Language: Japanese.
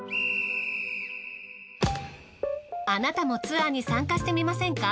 あなたもツアーに参加してみませんか？